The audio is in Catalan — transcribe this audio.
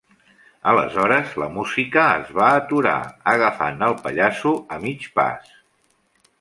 Aleshores la música es va aturar, agafant al pallasso a mig pas.